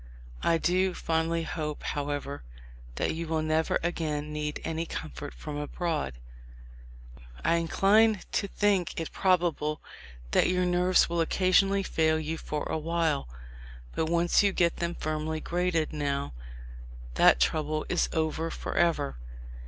I do fondly hope, however, that you will never again need any comfort from abroad ... I incline to think it probable that your nerves will occasionally fail you for awhile ; but once you get them firmly graded now, that trouble is over forever.